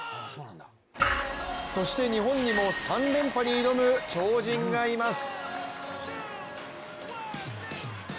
そして日本にも３連覇に挑む超人がいます。